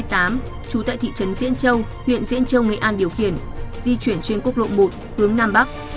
trú tại thị trấn diễn châu huyện diễn châu nghệ an điều khiển di chuyển trên quốc lộ một hướng nam bắc